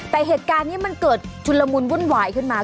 แต่เหตุการณ์นี้มันเกิดชุนละมุนวุ่นวายขึ้นมา